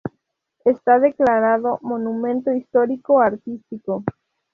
Está declarado Monumento Histórico Artístico.